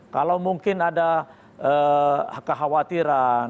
kalau mungkin ada kekhawatiran